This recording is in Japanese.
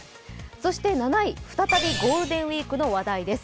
そして７位再びゴールデンウイークの話題です。